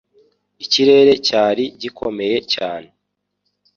Ikirere cyari gikomeye cyan